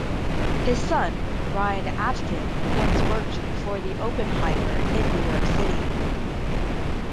His son Ryan Atkin once worked for Oppenheimer in New York City.